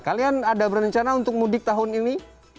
kalian ada berencana untuk mudik tahun ini